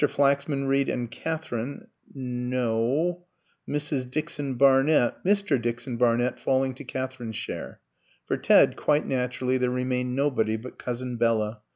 Flaxman Reed and Katherine n no, Mrs. Dixon Barnett, Mr. Dixon Barnett falling to Katherine's share. For Ted, quite naturally, there remained nobody but Cousin Bella.